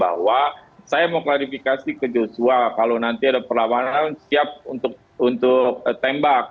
bahwa saya mau klarifikasi ke joshua kalau nanti ada perlawanan siap untuk tembak